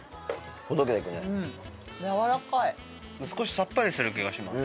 少しさっぱりする気がします